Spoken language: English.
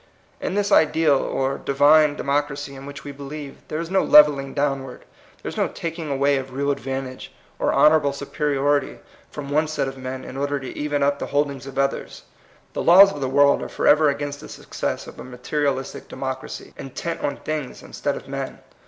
In this ideal or Divine democracy in which we believe, there is no levelling downward ; there is no taking away of real advantage or honorable superiority from THE IDEAL DEMOCRACY. 187 one set of men in order to even up the holdings of others. The laws of the world are forever against the success of a mate rialistic democracy, intent on things in stead of men.